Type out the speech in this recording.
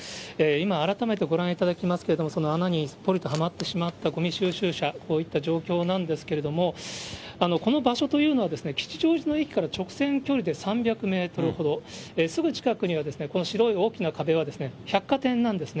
今、改めてご覧いただきますけれども、その穴にすっぽりとはまってしまったごみ収集車、こういった状況なんですけれども、この場所というのは、吉祥寺の駅から直線距離で３００メートルほど、すぐ近くには、この白い大きな壁は、百貨店なんですね。